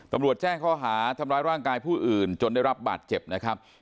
ตำรวจแจ้งข้อหาทำร้ายร่างกายผู้อื่นจนได้รับบาดเจ็บนะครับ